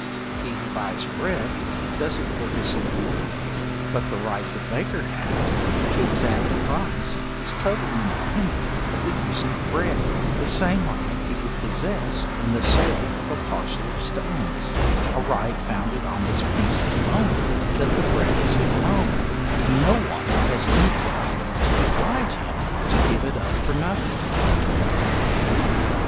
He who buys bread, does it for his support, but the right the baker has to exact a price is totally independent of the use of bread; the same right he would possess in the sale of a parcel of stones, a right founded on this principle only, that the bread is his own, and no one has any right to oblige him to give it up for nothing.